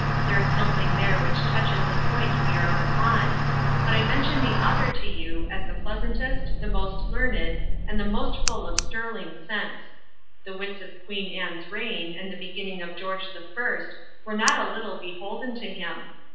There is something there which touches the point we are upon; but I mention the author to you, as the pleasantest, the most learned, and the most full of sterling sense. The wits of Queen Anne's reign, and the beginning of George the First, were not a little beholden to him.